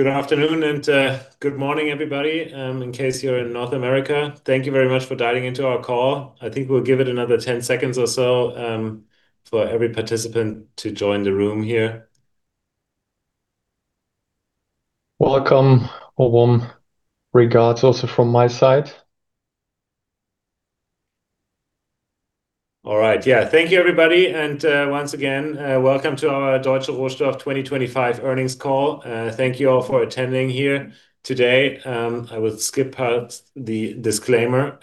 Good afternoon and good morning, everybody, in case you're in North America. Thank you very much for dialing into our call. I think we'll give it another 10 seconds or so for every participant to join the room here. Welcome. A warm regards also from my side. All right. Yeah. Thank you, everybody. Once again, welcome to our Deutsche Rohstoff 2025 earnings call. Thank you all for attending here today. I will skip the disclaimer.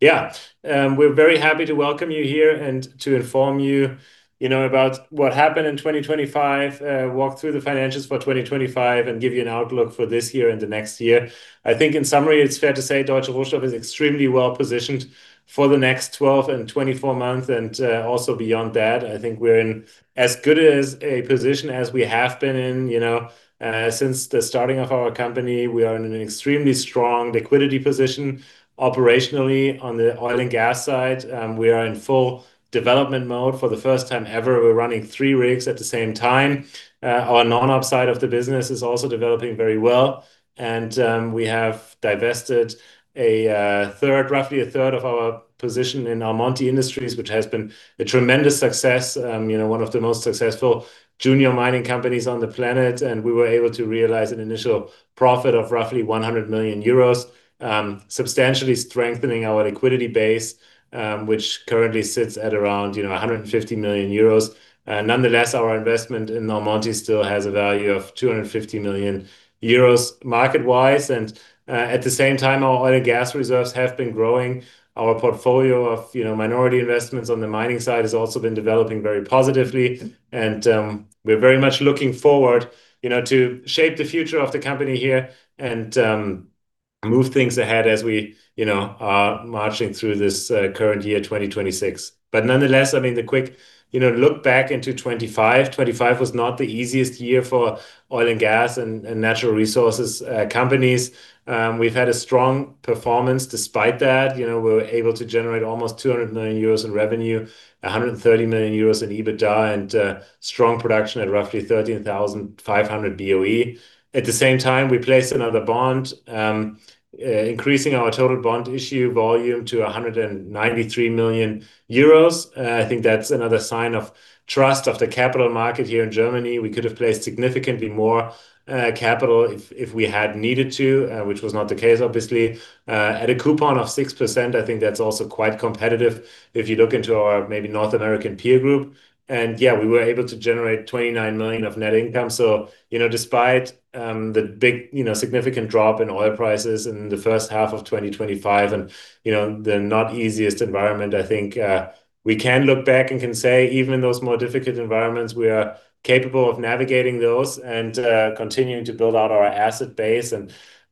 Yeah. We're very happy to welcome you here and to inform you about what happened in 2025, walk through the financials for 2025, and give you an outlook for this year and the next year. I think in summary, it's fair to say Deutsche Rohstoff is extremely well-positioned for the next 12 and 24 months and also beyond that. I think we're in as good a position as we have been in since the starting of our company. We are in an extremely strong liquidity position operationally on the oil and gas side. We are in full development mode. For the first time ever, we're running three rigs at the same time. Our non-op side of the business is also developing very well. We have divested roughly a third of our position in Almonty Industries, which has been a tremendous success. One of the most successful junior mining companies on the planet. We were able to realize an initial profit of roughly 100 million euros, substantially strengthening our liquidity base, which currently sits at around 150 million euros. Nonetheless, our investment in Almonty still has a value of 250 million euros market-wise, and at the same time, our oil and gas reserves have been growing. Our portfolio of minority investments on the mining side has also been developing very positively. We're very much looking forward to shape the future of the company here and move things ahead as we are marching through this current year, 2026. Nonetheless, the quick look back into 2025. 2025 was not the easiest year for oil and gas and natural resources companies. We've had a strong performance despite that. We were able to generate almost 200 million euros in revenue, 130 million euros in EBITDA, and strong production at roughly 13,500 BOE. At the same time, we placed another bond, increasing our total bond issue volume to 193 million euros. I think that's another sign of trust of the capital market here in Germany. We could have placed significantly more capital if we had needed to, which was not the case, obviously. At a coupon of 6%, I think that's also quite competitive if you look into our maybe North American peer group. Yeah, we were able to generate 29 million of net income. Despite the big significant drop in oil prices in the first half of 2025 and the not easiest environment, I think we can look back and can say even in those more difficult environments, we are capable of navigating those and continuing to build out our asset base.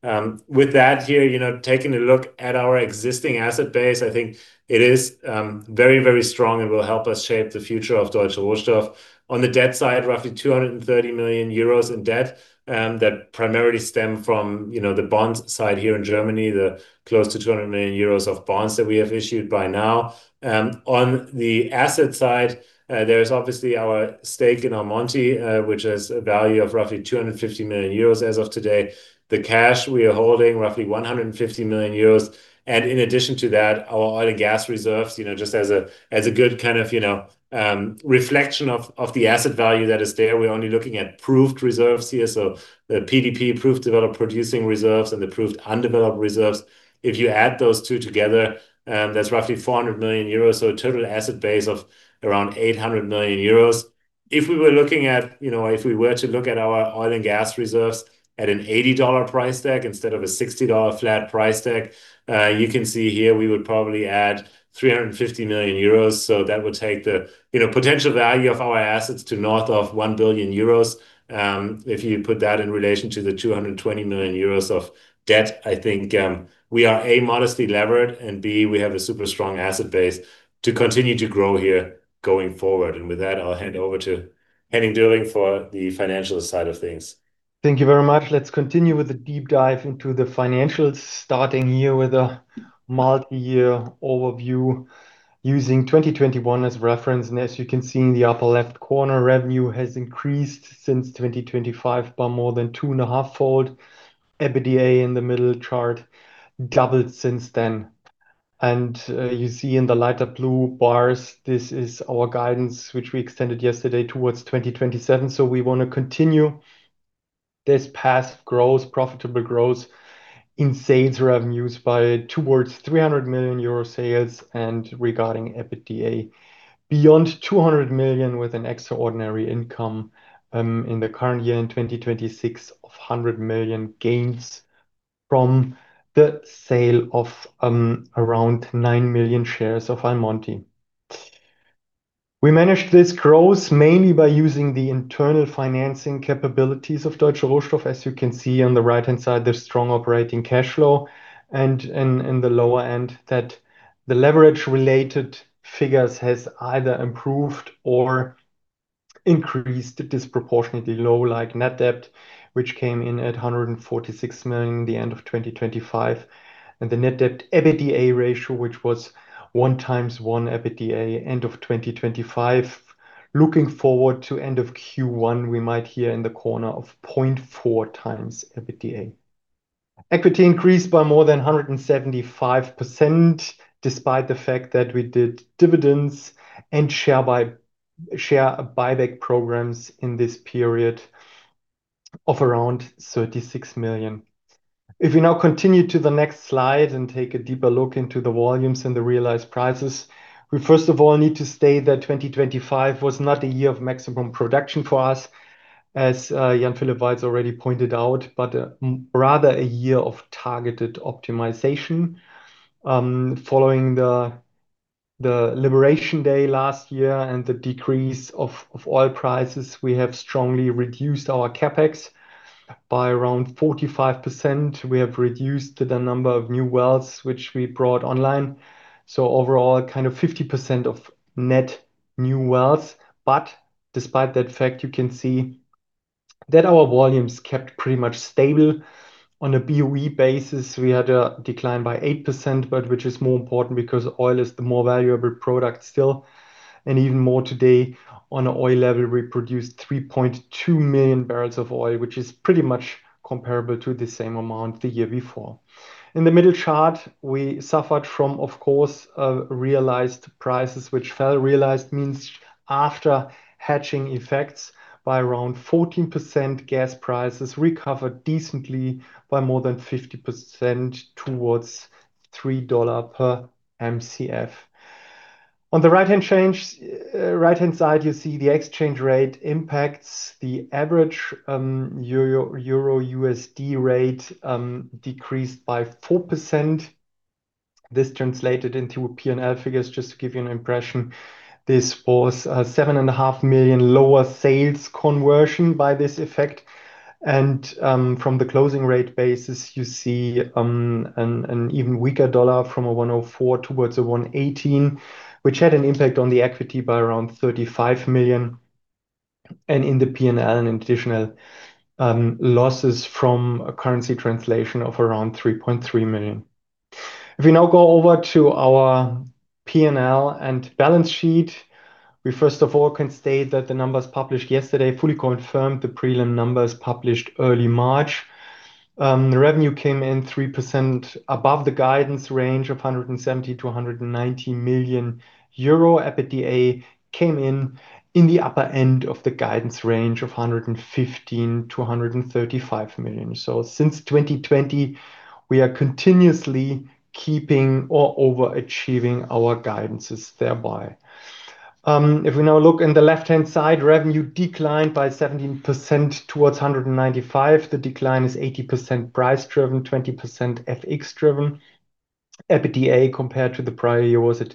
With that here, taking a look at our existing asset base, I think it is very, very strong and will help us shape the future of Deutsche Rohstoff. On the debt side, roughly 230 million euros in debt that primarily stem from the bond side here in Germany, the close to 200 million euros of bonds that we have issued by now. On the asset side, there is obviously our stake in Almonty, which has a value of roughly 250 million euros as of today. The cash we are holding, roughly 150 million euros. In addition to that, our oil and gas reserves just as a good kind of reflection of the asset value that is there. We're only looking at proved reserves here. The PDP, proved developed producing reserves, and the proved undeveloped reserves. If you add those two together, that's roughly 400 million euros. A total asset base of around 800 million euros. If we were to look at our oil and gas reserves at an $80 price tag instead of a $60 flat price tag, you can see here we would probably add 350 million euros. That would take the potential value of our assets to north of 1 billion euros. If you put that in relation to the 220 million euros of debt, I think we are, A, modestly levered, and B, we have a super strong asset base to continue to grow here going forward. With that, I'll hand over to Henning Döring for the financial side of things. Thank you very much. Let's continue with the deep dive into the financials, starting here with a multi-year overview using 2021 as reference. As you can see in the upper left corner, revenue has increased since 2021 by more than two and half fold. EBITDA in the middle chart doubled since then. You see in the lighter blue bars, this is our guidance, which we extended yesterday towards 2027. We want to continue this path of growth, profitable growth in sales revenues by towards 300 million euro sales and regarding EBITDA beyond 200 million with an extraordinary income in the current year, in 2026, of 100 million gains from the sale of around 9 million shares of Almonty. We managed this growth mainly by using the internal financing capabilities of Deutsche Rohstoff. As you can see on the right-hand side, there's strong operating cash flow and in the lower end, that the leverage related figures has either improved or increased disproportionately low, like net debt, which came in at 146 million the end of 2025. The net debt-EBITDA ratio, which was 1x EBITDA end of 2025. Looking forward to end of Q1, we might be in the order of 0.4x EBITDA. Equity increased by more than 175%, despite the fact that we did dividends and share buyback programs in this period of around 36 million. If we now continue to the next slide and take a deeper look into the volumes and the realized prices, we first of all need to state that 2025 was not a year of maximum production for us, as Jan-Philipp Weitz already pointed out, but rather a year of targeted optimization. Following the liberation day last year and the decrease of oil prices, we have strongly reduced our CapEx by around 45%. We have reduced the number of new wells which we brought online. Overall, 50% of net new wells. Despite that fact, you can see that our volumes kept pretty much stable. On a BOE basis, we had a decline by 8%, but, which is more important because oil is the more valuable product still, and even more today. On an oil level, we produced 3.2 MMbbl of oil, which is pretty much comparable to the same amount the year before. In the middle chart, we suffered from, of course, realized prices, which fell. Realized means after hedging effects by around 14%. Gas prices recovered decently by more than 50% towards $3 per Mcf. On the right-hand side, you see the exchange rate impacts. The average euro-USD rate decreased by 4%. This translated into P&L figures, just to give you an impression. This was 7.5 million lower sales conversion by this effect. From the closing rate basis, you see an even weaker dollar from a $104 towards a $118, which had an impact on the equity by around 35 million. In the P&L, an additional losses from a currency translation of around 3.3 million. If we now go over to our P&L and balance sheet, we first of all can state that the numbers published yesterday fully confirmed the prelim numbers published early March. The revenue came in 3% above the guidance range of 170 million-190 million euro. EBITDA came in the upper end of the guidance range of 115 million-135 million. Since 2020, we are continuously keeping or overachieving our guidances thereby. If we now look in the left-hand side, revenue declined by 17% to 195 million. The decline is 80% price driven, 20% FX driven. EBITDA compared to the prior year was at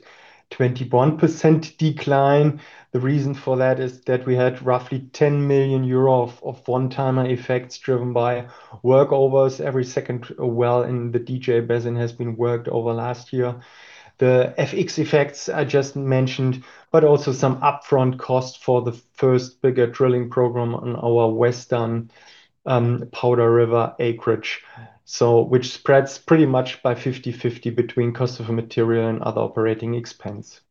21% decline. The reason for that is that we had roughly 10 million euro of one-time effects driven by workovers. Every second well in the DJ Basin has been worked over last year. The FX effects I just mentioned, but also some upfront costs for the first bigger drilling program on our western Powder River acreage, which spreads pretty much by 50/50 between cost of material and other operating expense.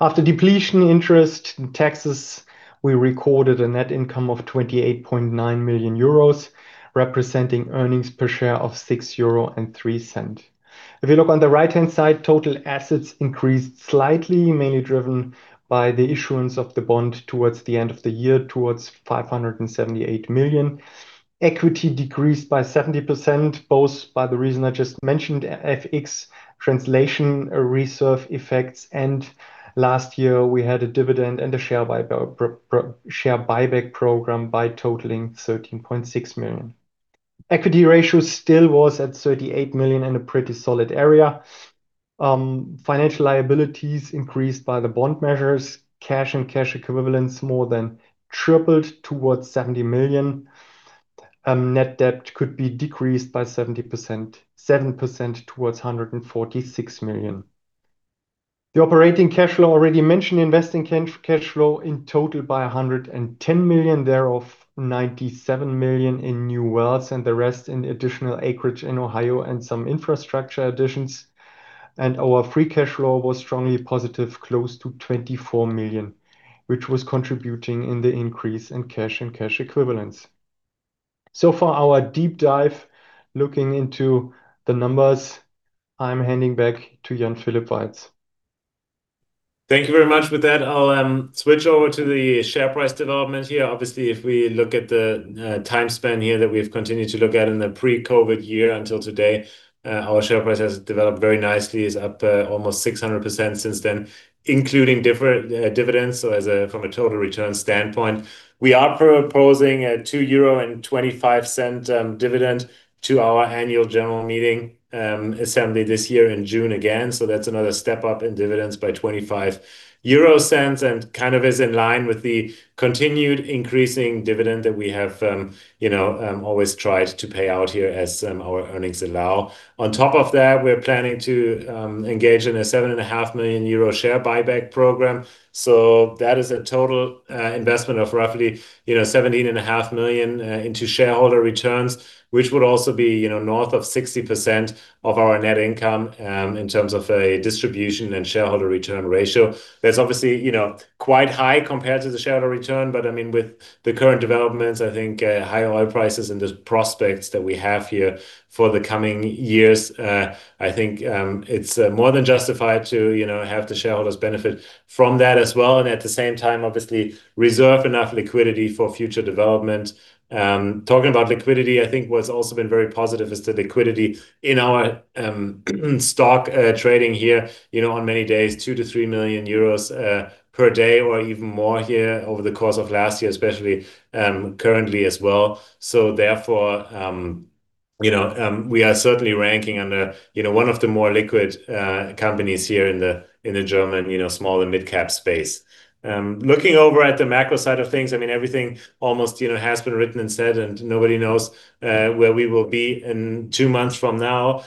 After depletion, interest and taxes, we recorded a net income of 28.9 million euros, representing earnings per share of 6.03 euro. If you look on the right-hand side, total assets increased slightly, mainly driven by the issuance of the bond towards the end of the year to 578 million. Equity decreased by 70%, both by the reason I just mentioned, FX translation reserve effects, and last year, we had a dividend and a share buyback program by totaling 13.6 million. Equity ratio still was at 38 million in a pretty solid area. Financial liabilities increased by the bond measures. Cash and cash equivalents more than tripled towards 70 million. Net debt could be decreased by 7% towards 146 million. The operating cash flow already mentioned investing cash flow in total by 110 million, thereof, 97 million in new wells and the rest in additional acreage in Ohio and some infrastructure additions. Our free cash flow was strongly positive, close to 24 million, which was contributing in the increase in cash and cash equivalents. For our deep dive, looking into the numbers, I'm handing back to Jan-Philipp Weitz. Thank you very much. With that, I'll switch over to the share price development here. Obviously, if we look at the time span here that we've continued to look at in the pre-COVID year until today, our share price has developed very nicely, is up almost 600% since then, including dividends, so from a total return standpoint. We are proposing a 2.25 euro dividend to our annual general meeting assembly this year in June again. That's another step up in dividends by 0.25 and kind of is in line with the continued increasing dividend that we have always tried to pay out here as our earnings allow. On top of that, we're planning to engage in a 7.5 million euro share buyback program. That is a total investment of roughly 17.5 million into shareholder returns, which would also be north of 60% of our net income, in terms of a distribution and shareholder return ratio. That's obviously quite high compared to the shareholder return. With the current developments, I think higher oil prices and the prospects that we have here for the coming years, I think it's more than justified to have the shareholders benefit from that as well. At the same time, obviously reserve enough liquidity for future development. Talking about liquidity, I think what's also been very positive is the liquidity in our stock trading here, on many days, 2 million-3 million euros per day or even more here over the course of last year, especially, currently as well. We are certainly ranking under one of the more liquid companies here in the German small and midcap space. Looking over at the macro side of things, almost everything has been written and said, and nobody knows where we will be in two months from now.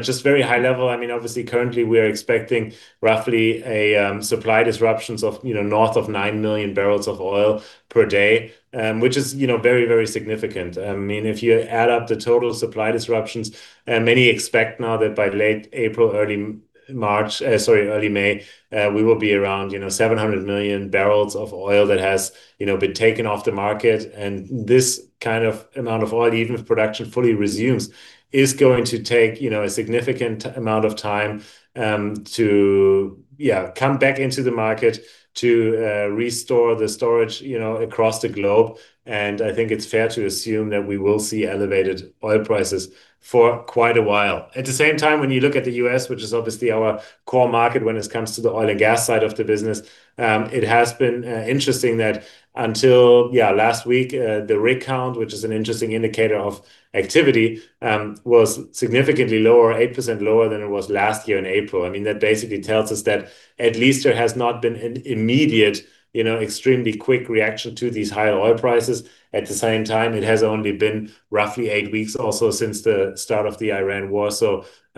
Just very high level, obviously currently we are expecting roughly a supply disruptions of north of 9 MMbbl of oil per day, which is very significant. If you add up the total supply disruptions, many expect now that by late April, early March, sorry early May, we will be around 700 MMbbl of oil that has been taken off the market. This kind of amount of oil, even if production fully resumes, is going to take a significant amount of time to come back into the market to restore the storage across the globe. I think it's fair to assume that we will see elevated oil prices for quite a while. At the same time, when you look at the U.S., which is obviously our core market when it comes to the oil and gas side of the business, it has been interesting that until last week, the rig count, which is an interesting indicator of activity, was significantly lower, 8% lower than it was last year in April. That basically tells us that at least there has not been an immediate, extremely quick reaction to these high oil prices. At the same time, it has only been roughly eight weeks also since the start of the Iran war.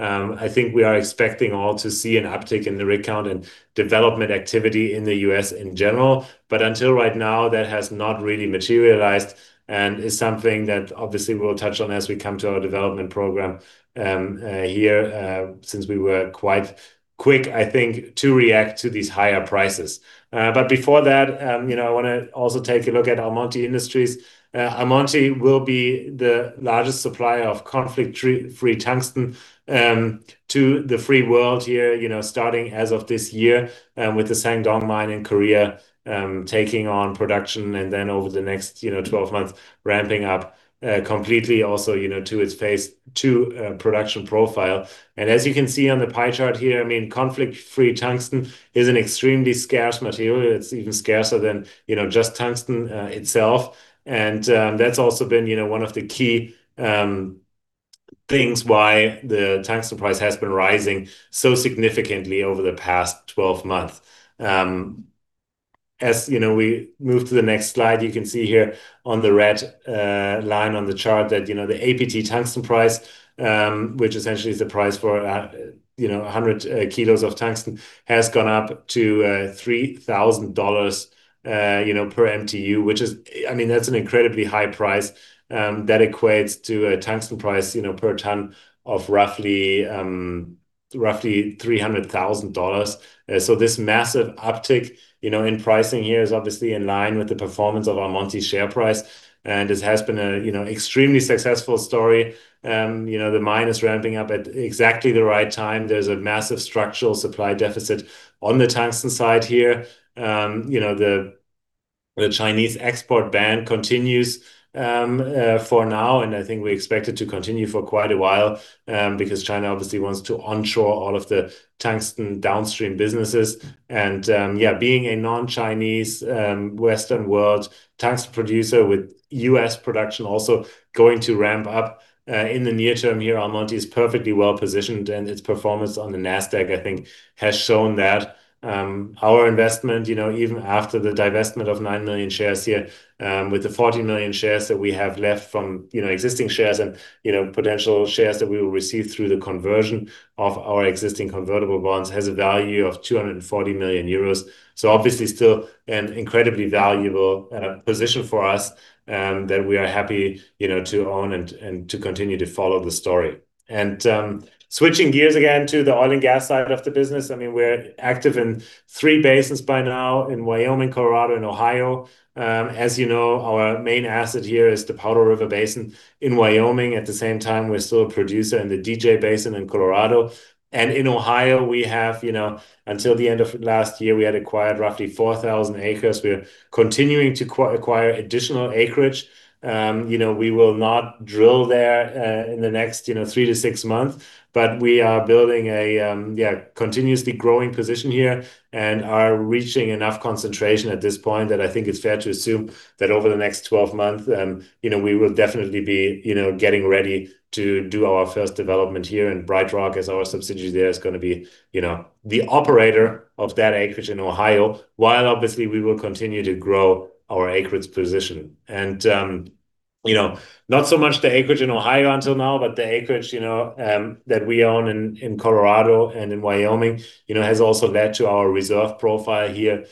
I think we are all expecting to see an uptick in the rig count and development activity in the U.S. in general. Until right now, that has not really materialized and is something that obviously we'll touch on as we come to our development program here, since we were quite quick, I think, to react to these higher prices. Before that, I want to also take a look at Almonty Industries. Almonty will be the largest supplier of conflict free tungsten to the free world here, starting as of this year with the Sangdong Mine in Korea taking on production and then over the next 12 months ramping up completely also to its phase two production profile. As you can see on the pie chart here, conflict free tungsten is an extremely scarce material. It's even scarcer than just tungsten itself. That's also been one of the key things why the tungsten price has been rising so significantly over the past 12 months. As we move to the next slide, you can see here on the red line on the chart that the APT tungsten price which essentially is the price for 100 kilos of tungsten has gone up to $3,000 per MTU. That's an incredibly high price that equates to a tungsten price per ton of roughly $300,000. This massive uptick in pricing here is obviously in line with the performance of Almonty's share price, and this has been a extremely successful story. The mine is ramping up at exactly the right time. There's a massive structural supply deficit on the tungsten side here. The Chinese export ban continues for now, and I think we expect it to continue for quite a while because China obviously wants to onshore all of the tungsten downstream businesses. Being a non-Chinese western world tungsten producer with U.S. production also going to ramp up in the near term here, Almonty is perfectly well positioned and its performance on the NASDAQ I think has shown that our investment, even after the divestment of 9 million shares here with the 40 million shares that we have left from existing shares and potential shares that we will receive through the conversion of our existing convertible bonds has a value of 240 million euros. Obviously still an incredibly valuable position for us that we are happy to own and to continue to follow the story. Switching gears again to the oil and gas side of the business, we're active in three basins by now in Wyoming, Colorado, and Ohio. As you know, our main asset here is the Powder River Basin in Wyoming. At the same time, we're still a producer in the DJ Basin in Colorado. In Ohio, until the end of last year, we had acquired roughly 4,000 acres. We are continuing to acquire additional acreage. We will not drill there in the next three to six months, but we are building a continuously growing position here and are reaching enough concentration at this point that I think it's fair to assume that over the next 12 months we will definitely be getting ready to do our first development here, and Bright Rock as our subsidiary there is going to be the operator of that acreage in Ohio, while obviously we will continue to grow our acreage position. Not so much the acreage in Ohio until now, but the acreage that we own in Colorado and in Wyoming has also led to our reserve profile here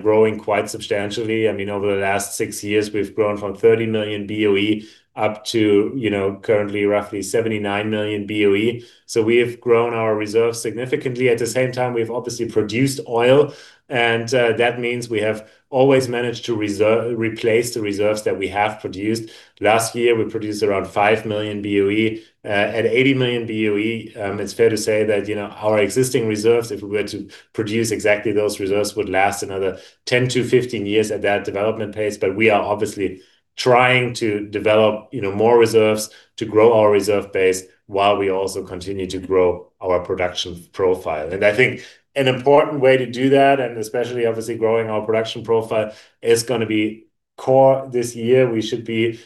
growing quite substantially. Over the last six years, we've grown from 30 million BOE up to currently roughly 79 million BOE. We have grown our reserves significantly. At the same time, we've obviously produced oil, and that means we have always managed to replace the reserves that we have produced. Last year, we produced around 5 million BOE. At 80 million BOE, it's fair to say that our existing reserves, if we were to produce exactly those reserves, would last another 10-15 years at that development pace. We are obviously trying to develop more reserves to grow our reserve base while we also continue to grow our production profile. I think an important way to do that, and especially obviously growing our production profile, is going to be core this year. We should be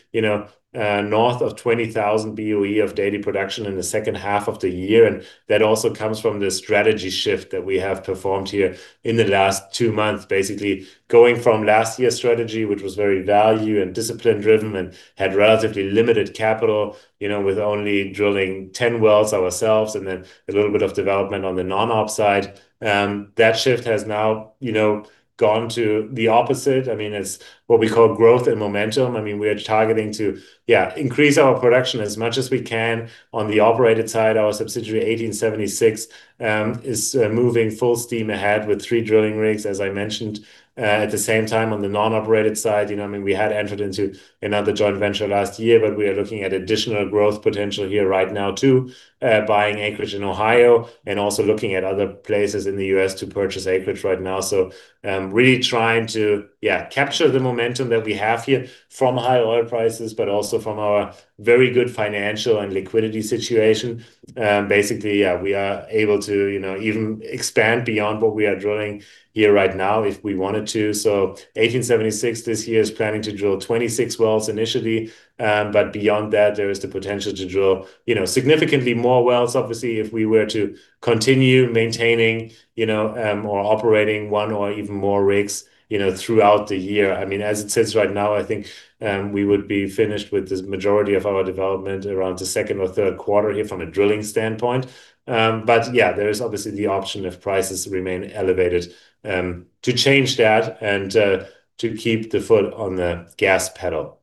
north of 20,000 BOE of daily production in the second half of the year. That also comes from the strategy shift that we have performed here in the last two months. Basically, going from last year's strategy, which was very value and discipline driven and had relatively limited capital, with only drilling 10 wells ourselves and then a little bit of development on the non-op side. That shift has now gone to the opposite. It's what we call growth and momentum. We are targeting to increase our production as much as we can on the operated side. Our subsidiary 1876 is moving full steam ahead with three drilling rigs, as I mentioned. At the same time, on the non-operated side, we had entered into another joint venture last year, but we are looking at additional growth potential here right now too, buying acreage in Ohio and also looking at other places in the U.S. to purchase acreage right now. Really trying to capture the momentum that we have here from high oil prices, but also from our very good financial and liquidity situation. Basically, we are able to even expand beyond what we are drilling here right now if we wanted to. 1876 this year is planning to drill 26 wells initially. Beyond that, there is the potential to drill significantly more wells, obviously, if we were to continue maintaining or operating one or even more rigs throughout the year. As it sits right now, I think, we would be finished with the majority of our development around the second or third quarter here from a drilling standpoint. Yeah, there is obviously the option if prices remain elevated, to change that and to keep the foot on the gas pedal.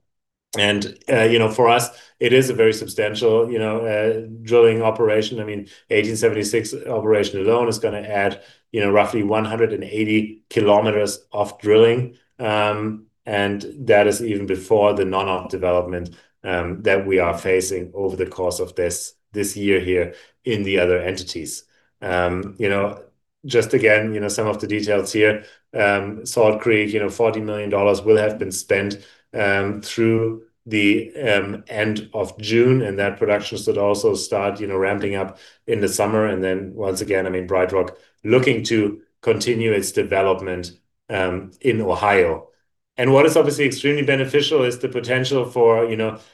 For us it is a very substantial drilling operation. 1876 operation alone is going to add roughly 180 km of drilling. That is even before the non-op development that we are facing over the course of this year here in the other entities. Just again, some of the details here. Salt Creek, $40 million will have been spent through the end of June, and that production should also start ramping up in the summer. Then once again, Bright Rock looking to continue its development in Ohio. What is obviously extremely beneficial is the potential for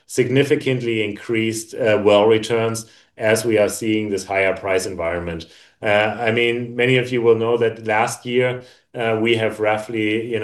significantly increased well returns as we are seeing this higher price environment. Many of you will know that last year, we have roughly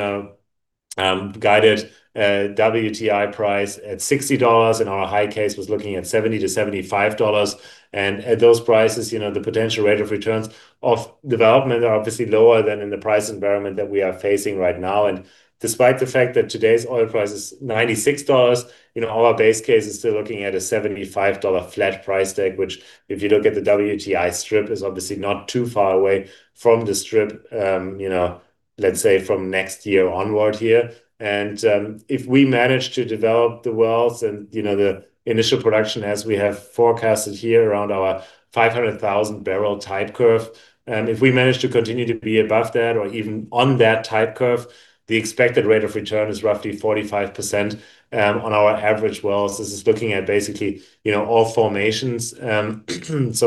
guided WTI price at $60, and our high case was looking at $70-$75. At those prices, the potential rate of returns of development are obviously lower than in the price environment that we are facing right now. Despite the fact that today's oil price is $96, our base case is still looking at a $75 flat price tag, which, if you look at the WTI strip, is obviously not too far away from the strip, let's say from next year onward here. If we manage to develop the wells and the initial production as we have forecasted here around our 500,000 bbl type curve, if we manage to continue to be above that or even on that type curve, the expected rate of return is roughly 45% on our average wells. This is looking at basically all formations, so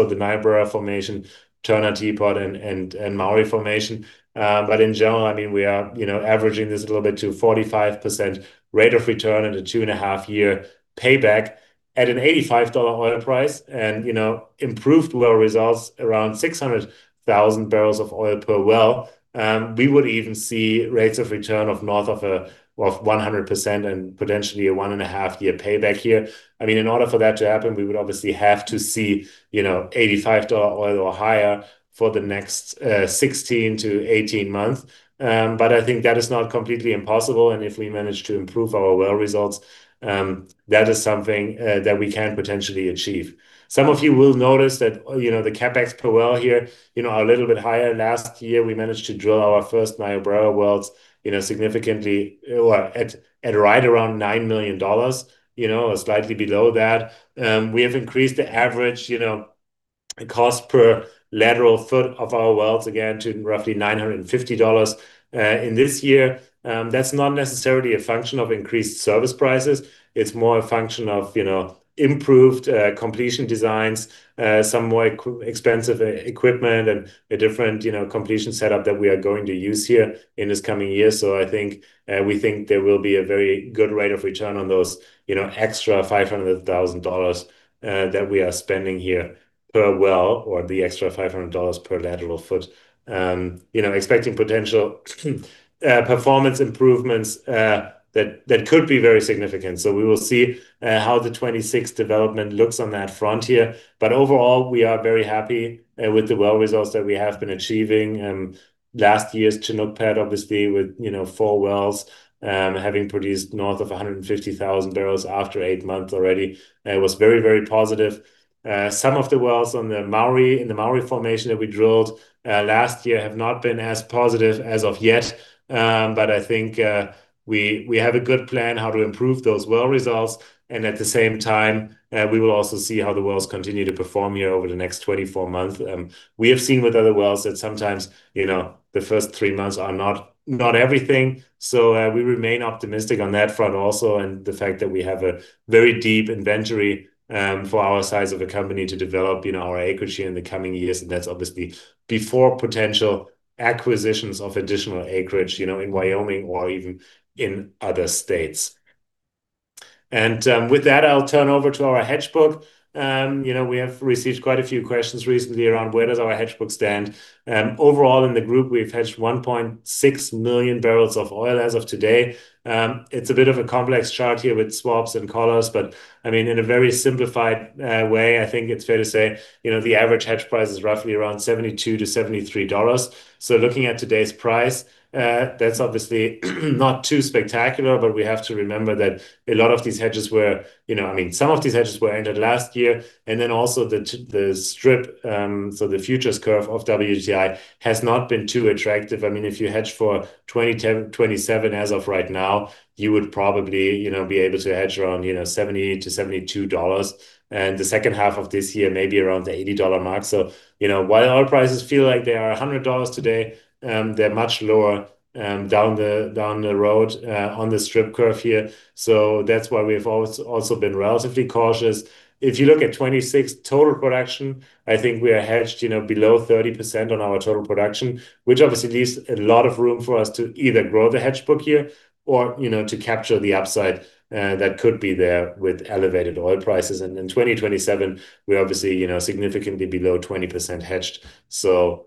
the Niobrara Formation, Turner, Teapot, and Mowry Formation. In general, we are averaging this a little bit to 45% rate of return and a two and half year payback at an $85 oil price and improved well results around 600,000 bbl of oil per well. We would even see rates of return of north of 100% and potentially a one and half year payback here. In order for that to happen, we would obviously have to see $85 oil or higher for the next 16-18 months. I think that is not completely impossible, and if we manage to improve our well results, that is something that we can potentially achieve. Some of you will notice that the CapEx per well here are a little bit higher. Last year, we managed to drill our first Niobrara wells, at right around $9 million, or slightly below that. We have increased the average cost per lateral foot of our wells again to roughly $950 in this year. That's not necessarily a function of increased service prices. It's more a function of improved completion designs, some more expensive equipment, and a different completion setup that we are going to use here in this coming year. I think, we think there will be a very good rate of return on those extra $500,000 that we are spending here per well or the extra $500 per lateral foot. Expecting potential performance improvements that could be very significant. We will see how the 2026 development looks on that front here. Overall, we are very happy with the well results that we have been achieving. Last year's Chinook pad, obviously with four wells, having produced north of 150,000 bbl after eight months already. It was very, very positive. Some of the wells in the Mowry formation that we drilled last year have not been as positive as of yet. I think we have a good plan how to improve those well results. At the same time, we will also see how the wells continue to perform here over the next 24 months. We have seen with other wells that sometimes the first three months are not everything. We remain optimistic on that front also, and the fact that we have a very deep inventory for our size of a company to develop our acreage in the coming years, and that's obviously before potential acquisitions of additional acreage in Wyoming or even in other states. With that, I'll turn over to our hedge book. We have received quite a few questions recently around where does our hedge book stand. Overall in the group, we've hedged 1.6 MMbbl of oil as of today. It's a bit of a complex chart here with swaps and collars, but in a very simplified way, I think it's fair to say, the average hedge price is roughly around $72-$73. Looking at today's price, that's obviously not too spectacular, but we have to remember that some of these hedges were entered last year. The strip, so the futures curve of WTI has not been too attractive. If you hedge for 2027 as of right now, you would probably be able to hedge around $70-$72. The second half of this year, maybe around the $80 mark. While oil prices feel like they are $100 today, they're much lower down the road, on the strip curve here. That's why we've also been relatively cautious. If you look at 2026 total production, I think we are hedged below 30% on our total production, which obviously leaves a lot of room for us to either grow the hedge book here or to capture the upside that could be there with elevated oil prices. In 2027, we're obviously significantly below 20% hedged, so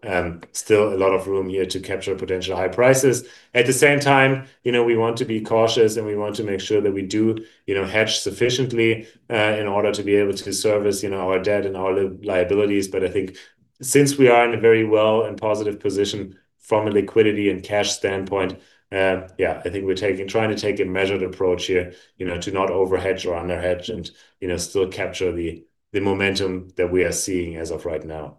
still a lot of room here to capture potential high prices. At the same time, we want to be cautious, and we want to make sure that we do hedge sufficiently, in order to be able to service our debt and our liabilities. But I think since we are in a very well and positive position from a liquidity and cash standpoint, I think we're trying to take a measured approach here, to not overhedge or underhedge and still capture the momentum that we are seeing as of right now.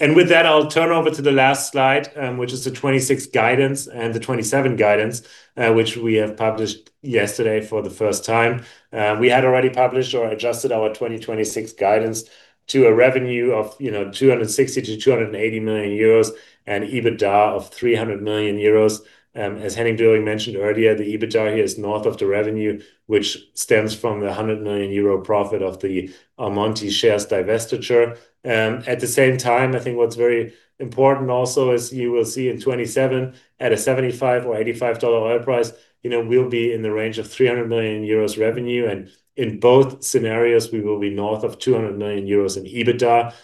With that, I'll turn over to the last slide, which is the 2026 guidance and the 2027 guidance, which we have published yesterday for the first time. We had already published or adjusted our 2026 guidance to a revenue of 260 million-280 million euros and EBITDA of 300 million euros. As Henning Döring mentioned earlier, the EBITDA here is north of the revenue, which stems from the 100 million euro profit of the Almonty shares divestiture. At the same time, I think what's very important also, as you will see in 2027, at a $75 or $85 oil price, we'll be in the range of 300 million euros revenue. In both scenarios, we will be north of 200 million euros in EBITDA.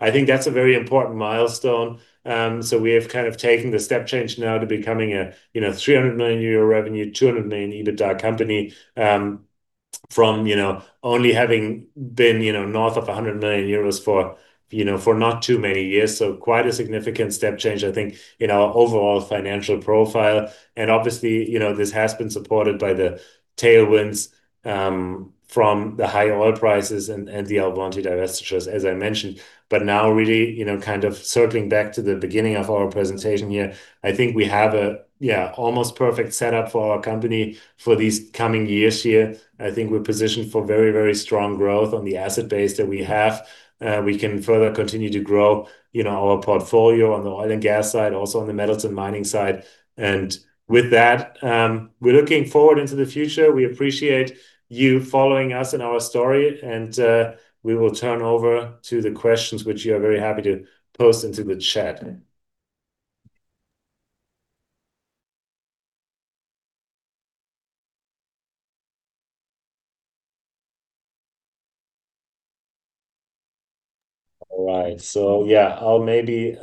I think that's a very important milestone. We have kind of taken the step change now to becoming a 300 million euro revenue, 200 million EBITDA company, from only having been north of 100 million euros for not too many years. Quite a significant step change, I think, in our overall financial profile. Obviously, this has been supported by the tailwinds from the high oil prices and the Almonty divestitures, as I mentioned. Now really, kind of circling back to the beginning of our presentation here, I think we have a almost perfect setup for our company for these coming years here. I think we're positioned for very, very strong growth on the asset base that we have. We can further continue to grow our portfolio on the oil and gas side, also on the metals and mining side. With that, we're looking forward into the future. We appreciate you following us and our story, and we will turn over to the questions which you are very happy to post into the chat. All right. Yeah, I'll maybe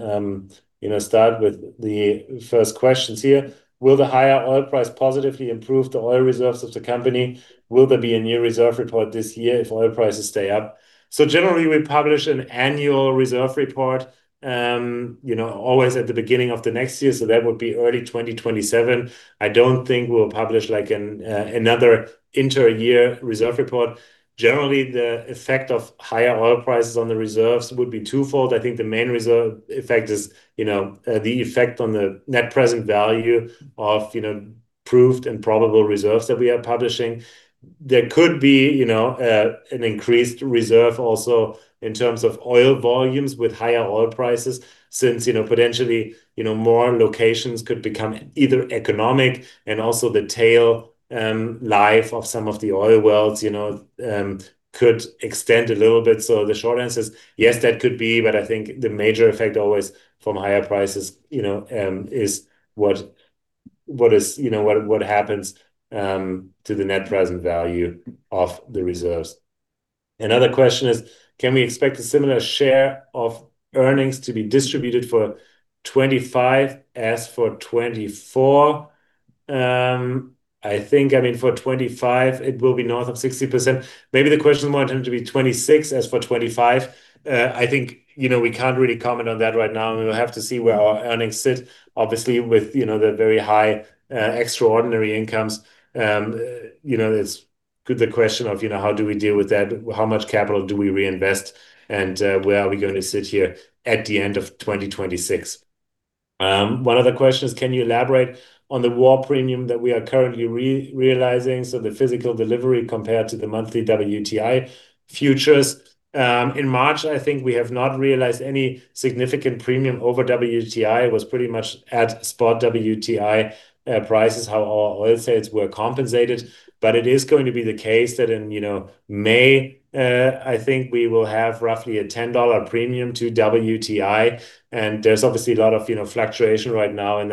start with the first questions here. "Will the higher oil price positively improve the oil reserves of the company? Will there be a new reserve report this year if oil prices stay up?" Generally, we publish an annual reserve report, always at the beginning of the next year, so that would be early 2027. I don't think we'll publish another inter-year reserve report. Generally, the effect of higher oil prices on the reserves would be twofold. I think the main reserve effect is the effect on the net present value of proved and probable reserves that we are publishing. There could be an increased reserve also in terms of oil volumes with higher oil prices since, potentially, more locations could become either economic and also the tail life of some of the oil wells could extend a little bit. The short answer is yes, that could be, but I think the major effect always from higher prices is what happens to the net present value of the reserves. Another question is: "Can we expect a similar share of earnings to be distributed for 2025 as for 2024?" I think for 2025 it will be north of 60%. Maybe the question is more intended to be 2026 as for 2025. I think we can't really comment on that right now, and we'll have to see where our earnings sit. Obviously, with the very high extraordinary incomes, there's the question of how do we deal with that? How much capital do we reinvest, and where are we going to sit here at the end of 2026? One other question is: "Can you elaborate on the war premium that we are currently realizing, so the physical delivery compared to the monthly WTI futures?" In March, I think we have not realized any significant premium over WTI. It was pretty much at spot WTI prices how our oil sales were compensated. It is going to be the case that in May, I think we will have roughly a $10 premium to WTI, and there's obviously a lot of fluctuation right now in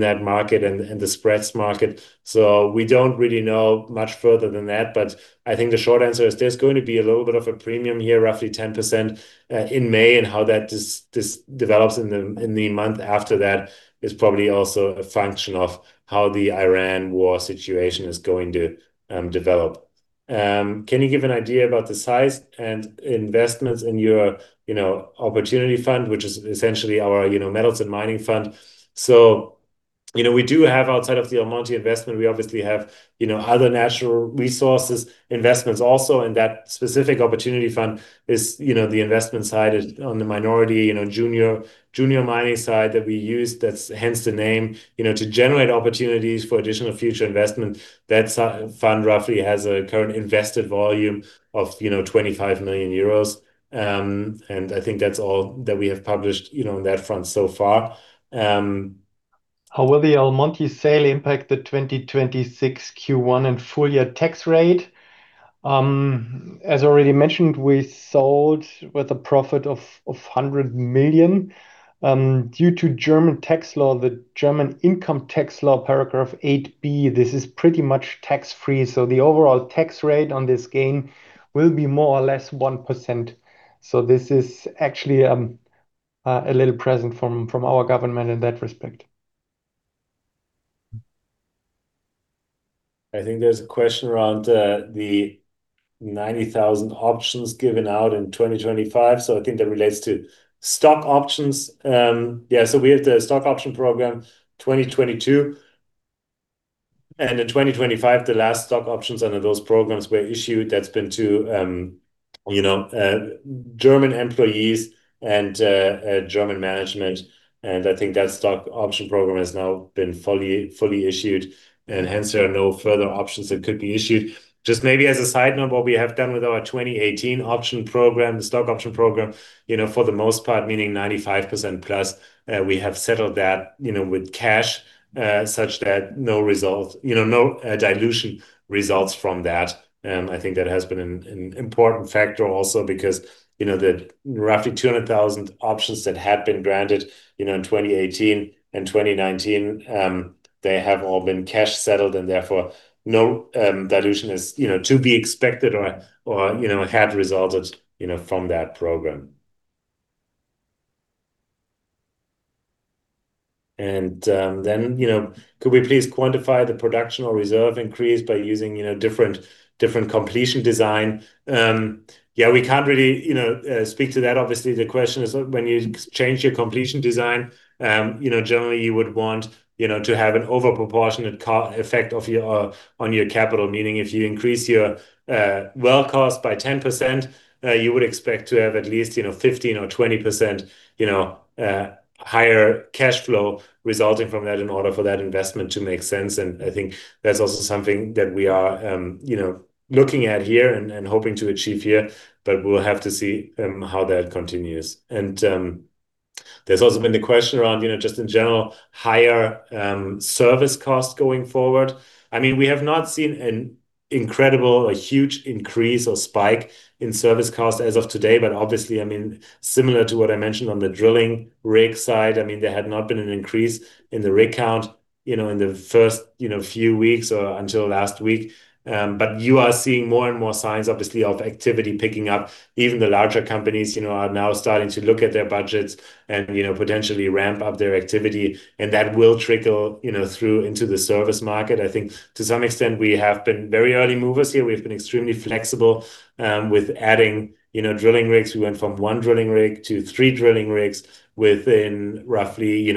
that market and the spreads market. We don't really know much further than that, but I think the short answer is there's going to be a little bit of a premium here, roughly 10% in May, and how that develops in the month after that is probably also a function of how the Iran war situation is going to develop. Can you give an idea about the size and investments in your opportunity fund, which is essentially our metals and mining fund? We do have outside of the Almonty investment, we obviously have other natural resources investments also in that specific opportunity fund is the investment side is on the minority, junior mining side that we use. That's hence the name to generate opportunities for additional future investment. That fund roughly has a current invested volume of 25 million euros. I think that's all that we have published on that front so far. How will the Almonty sale impact the 2026 Q1 and full year tax rate? As already mentioned, we sold with a profit of 100 million. Due to German tax law, the German income tax law paragraph (8)(b), this is pretty much tax-free. The overall tax rate on this gain will be more or less 1%. This is actually a little present from our government in that respect. I think there's a question around the 90,000 options given out in 2025. I think that relates to stock options. We have the Stock Option Program 2022, and in 2025, the last stock options under those programs were issued. That's been to German employees and German management. I think that Stock Option Program has now been fully issued, and hence there are no further options that could be issued. Just maybe as a side note, what we have done with our 2018 option program, the stock option program, for the most part meaning 95%+, we have settled that with cash, such that no dilution results from that. I think that has been an important factor also because the roughly 200,000 options that had been granted in 2018 and 2019, they have all been cash settled and therefore no dilution is to be expected or had resulted from that program. Could we please quantify the production or reserve increase by using different completion design? We can't really speak to that. Obviously, the question is when you change your completion design, generally you would want to have an over proportionate effect on your capital. Meaning if you increase your well cost by 10%, you would expect to have at least 15% or 20% higher cash flow resulting from that in order for that investment to make sense. I think that's also something that we are looking at here and hoping to achieve here, but we'll have to see how that continues. There's also been the question around, just in general, higher service costs going forward. I mean, we have not seen an incredible or huge increase or spike in service costs as of today. Obviously, I mean, similar to what I mentioned on the drilling rig side, I mean, there had not been an increase in the rig count in the first few weeks or until last week. You are seeing more and more signs, obviously, of activity picking up. Even the larger companies are now starting to look at their budgets and potentially ramp up their activity, and that will trickle through into the service market. I think to some extent, we have been very early movers here. We've been extremely flexible with adding drilling rigs. We went from one drilling rig to three drilling rigs within roughly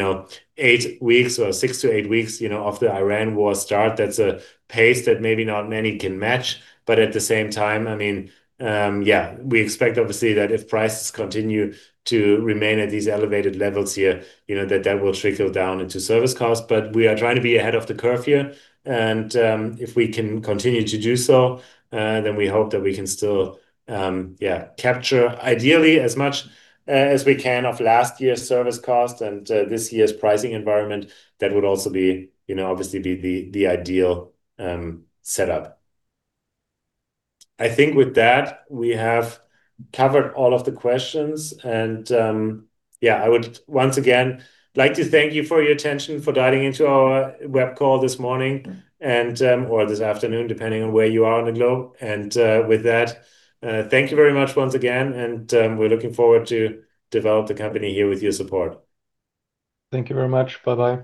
eight weeks or six to eight weeks of the Iran war start. That's a pace that maybe not many can match. At the same time, I mean, we expect obviously that if prices continue to remain at these elevated levels here, that that will trickle down into service costs. We are trying to be ahead of the curve here. If we can continue to do so, then we hope that we can still capture ideally as much as we can of last year's service cost and this year's pricing environment. That would also obviously be the ideal setup. I think with that, we have covered all of the questions. I would once again like to thank you for your attention, for dialing into our web call this morning or this afternoon, depending on where you are on the globe. With that, thank you very much once again, and we're looking forward to develop the company here with your support. Thank you very much. Bye-bye.